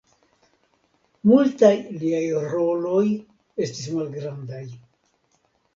Multaj liaj roloj estis malgrandaj.